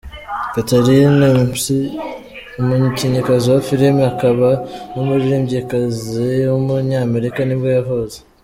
Katharine McPhee, umukinnyikazi wa filime akaba n’umuririmbyikazi w’umunyamerika nibwo yavutse.